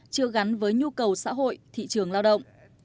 chưa gắn với nhu cầu xã hội thị trường lao động